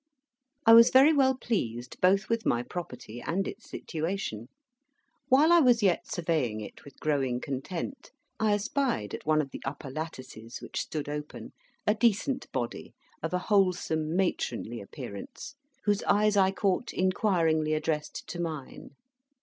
I was very well pleased, both with my property and its situation. While I was yet surveying it with growing content, I espied, at one of the upper lattices which stood open, a decent body, of a wholesome matronly appearance, whose eyes I caught inquiringly addressed to mine.